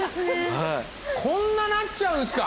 こんななっちゃうんすか？